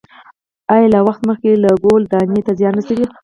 آیا له وخت مخکې لو کول دانې ته زیان رسوي؟